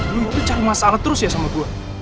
lu mau bicara masalah terus ya sama gue